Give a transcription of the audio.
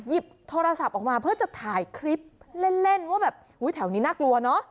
หยิบโทรศัพท์ออกมาเพื่อจะถ่ายคลิปเล่นว่าแบบอุ๊ยแถวนี้น่ากลัวเนอะ